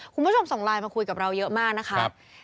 คุณผู้ชมส่งไลน์มาคุยกับเราเยอะมากนะครับ